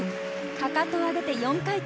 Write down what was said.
かかとを上げて４回転。